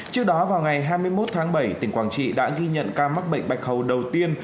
trước đó vào ngày hai mươi một tháng bảy tỉnh quảng trị đã ghi nhận ca mắc bệnh bạch hầu đầu tiên